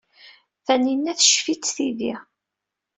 Taninna teccef-itt tidi.